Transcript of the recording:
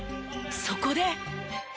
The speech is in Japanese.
そこで。